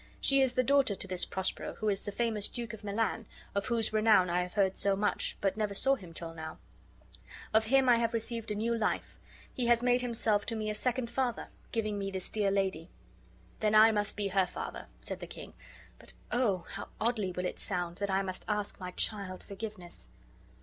She is the daughter this Prospero, who is the famous Duke of Milan, of whose renown I have heard so much, but never saw him till now: of him I have received a new life: he has made himself to me a second father, giving me this dear lady." "Then I must be her father," said the king; "but, oh, how oddly will it sound, that I must ask my child forgiveness."